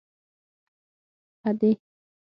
_ادې!!!